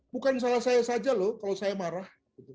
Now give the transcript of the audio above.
bukan salah saya saja loh kalau saya marah